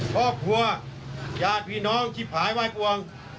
พ่อผัวญาติพี่น้องชิบหายว่ายกวง